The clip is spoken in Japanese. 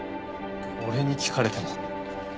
俺に聞かれても。